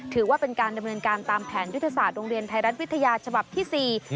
ถือว่าเป็นการดำเนินการตามแผนยุทธศาสตร์โรงเรียนไทยรัฐวิทยาฉบับที่๔